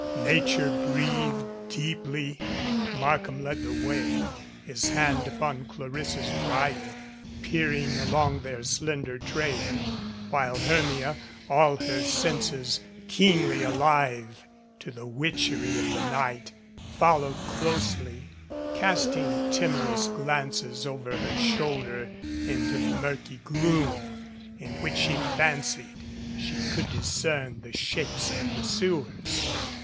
Nature breathed deeply. 219 Markham led the way, his hand upon Clarissa's bridle, peering along their slender trail, while Hermia, all her senses keenly alive to the witchery of the night, followed closely, casting timorous glances over her shoulder into the murky gloom, in which she fancied she could discern the shapes of pursuers.